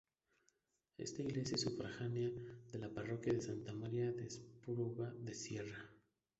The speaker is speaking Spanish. Esta iglesia es sufragánea de la parroquia de Santa María de Espluga de Serra.